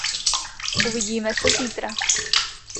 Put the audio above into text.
Uvidíme se zítra.